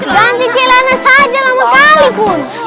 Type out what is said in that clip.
ganti celana saja lama sekalipun